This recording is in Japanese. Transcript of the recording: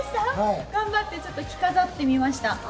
頑張ってちょっと着飾ってみました。